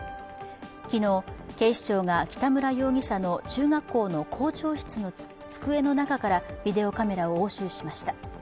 昨日、警視庁が北村容疑者の中学校の校長室の机の中からビデオカメラを押収しました。